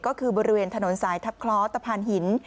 ก็คือบริเวณถนนสายทัพคล้อตะพานหิน